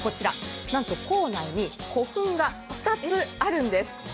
なんと構内に古墳が２つあるんです